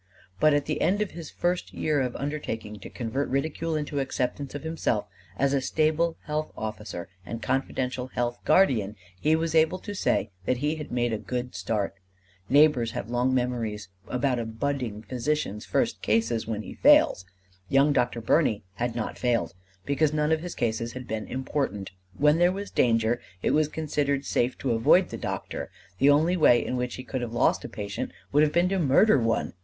But at the end of this first year of undertaking to convert ridicule into acceptance of himself as a stable health officer and confidential health guardian, he was able to say that he had made a good start: neighbors have long memories about a budding physician's first cases when he fails. Young Dr. Birney had not failed, because none of his cases had been important: when there was danger, it was considered safe to avoid the doctor: the only way in which he could have lost a patient would have been to murder one!